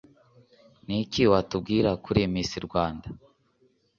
ni iki watubwira kuri miss rwanda